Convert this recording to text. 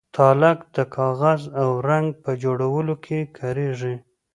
تالک د کاغذ او رنګ په جوړولو کې کاریږي.